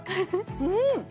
うん。